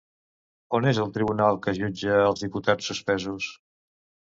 On és el tribunal que jutja els diputats suspesos?